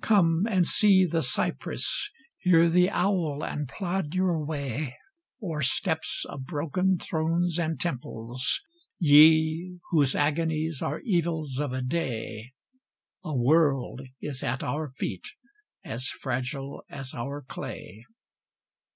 Come and see The cypress, hear the owl, and plod your way O'er steps of broken thrones and temples, ye! Whose agonies are evils of a day A world is at our feet as fragile as our clay.